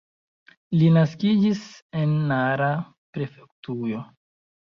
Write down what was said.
Li naskiĝis en Nara prefektujo.